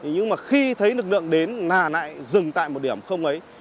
nhưng mà khi thấy lực lượng đến nà nại dừng tại một điểm không ấy